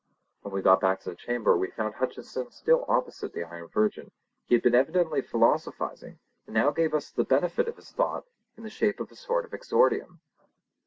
When we got back to the chamber we found Hutcheson still opposite the Iron Virgin; he had been evidently philosophising, and now gave us the benefit of his thought in the shape of a sort of exordium.